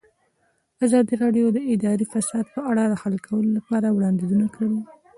ازادي راډیو د اداري فساد په اړه د حل کولو لپاره وړاندیزونه کړي.